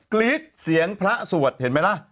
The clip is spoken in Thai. กรี๊ดเสียงพระสวดเห็นไหมล่ะ